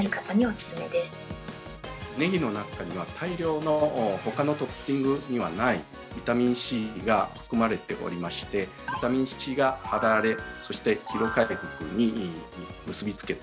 ねぎの中には大量の他のトッピングにはないビタミンＣが含まれておりましてビタミンＣが肌荒れそして疲労回復に結びつけてくれます。